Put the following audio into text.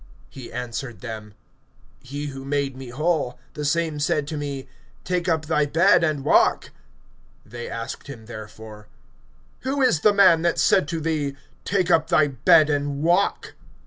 (11)He answered them: He who made me whole, the same said to me: Take up thy bed, and walk. (12)They asked him therefore: Who is the man that said to thee: Take up thy bed and walk?